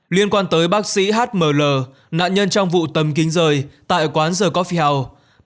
liên quan tới bác sĩ hml nạn nhân trong vụ tâm kính rơi tại quán the coffee house